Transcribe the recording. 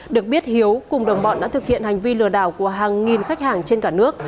được biết hiếu cùng đồng bọn đã thực hiện hành vi lừa đảo của hàng nghìn khách hàng trên cả nước